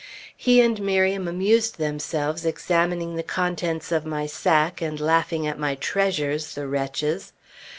He and Miriam amused themselves examining the contents of my sack and laughing at my treasures, the wretches!